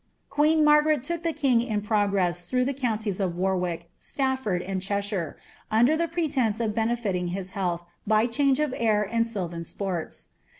Qlii«n Margaret took the king in progress through the counties of War wick. Stafford, and Cheshire, under U)e pretence of benefiting his heitlth. b^r change o( air and nylvnn sports.